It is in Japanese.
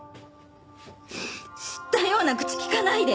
知ったような口利かないで。